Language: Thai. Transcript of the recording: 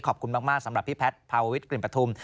ขอบคุณมากสำหรับพี่แพทย์ภาววิทกลิ่นปฐุม